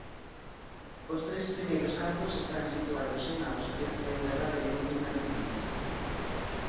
Os tres primeiros campos están situados en Austria e o derradeiro en Alemaña.